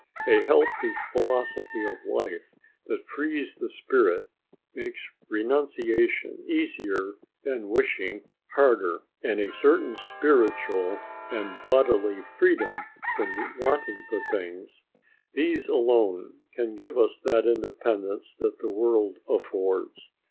A healthy philosophy of life that frees the spirit, makes renunciation easier and wishing harder, and a certain spiritual and bodily freedom from wanting for things, these alone can give us that independence that the world affords.